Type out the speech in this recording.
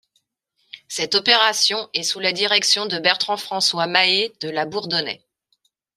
Cette opération est sous la direction de Bertrand-François Mahé de La Bourdonnais.